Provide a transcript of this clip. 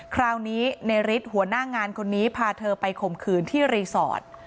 คราวนี้ในฤทธิ์หัวหน้างานคนนี้พาเธอไปข่มขืนที่รีสอร์ท